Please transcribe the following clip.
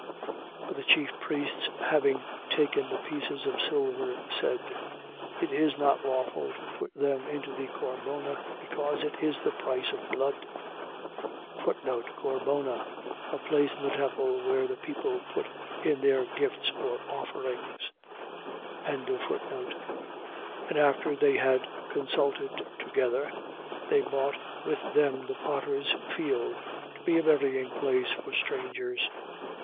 27:6. But the chief priests having taken the pieces of silver, said: It is not lawful to put them into the corbona, because it is the price of blood. Corbona. . .A place in the temple where the people put in their gifts or offerings. 27:7. And after they had consulted together, they bought with them the potter's field, to be a burying place for strangers.